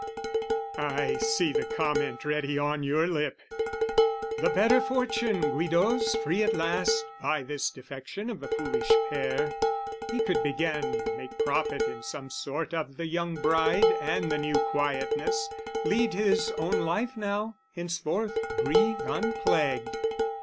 I see the comment ready on your lip, "The better fortune, Guido's free at least "By this defection of the foolish pair, "He could begin make profit in some sort "Of the young bride and the new quietness, "Lead his own life now, henceforth breathe unplagued."